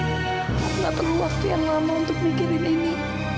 aku tidak perlu waktu yang lama untuk memikirkan ini